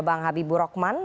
bang habibu rokman